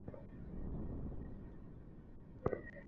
আপনি এখন মুক্ত স্বাধীন।